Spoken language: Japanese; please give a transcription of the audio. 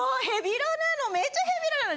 めちゃヘビロなの。